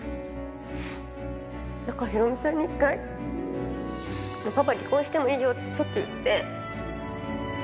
だからヒロミさんに一回、パパ離婚してもいいよってちょっと言って。